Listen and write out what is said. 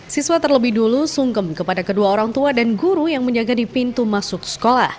siswa terlebih dulu sungkem kepada kedua orang tua dan guru yang menjaga di pintu masuk sekolah